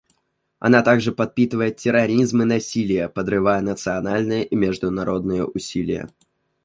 Она также подпитывает терроризм и насилие, подрывая национальные и международные усилия.